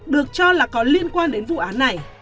được cho là có liên quan đến vụ án này